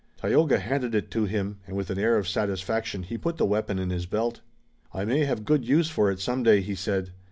Tayoga handed it to him, and with an air of satisfaction he put the weapon in his belt. "I may have good use for it some day," he said.